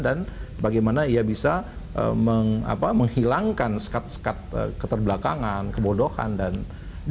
dan bagaimana ia bisa menghilangkan sekat sekat keterbelakangan kebodohan dan ketidakpangan